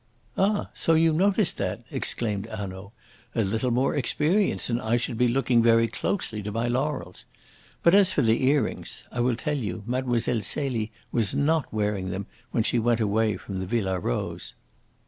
"Ah! so you noticed that!" exclaimed Hanaud. "A little more experience and I should be looking very closely to my laurels. But as for the earrings I will tell you. Mlle. Celie was not wearing them when she went away from the Villa Rose."